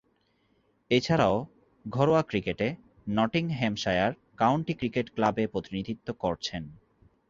এছাড়াও, ঘরোয়া ক্রিকেটে নটিংহ্যামশায়ার কাউন্টি ক্রিকেট ক্লাবে প্রতিনিধিত্ব করছেন।